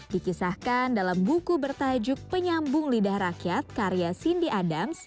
dikisahkan dalam buku bertajuk penyambung lidah rakyat karya cindy adams